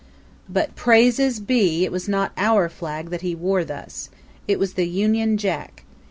But, praises be, it was not our flag that he wore thus. It was the Union Jack.